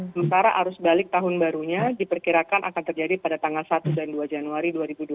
sementara arus balik tahun barunya diperkirakan akan terjadi pada tanggal satu dan dua januari dua ribu dua puluh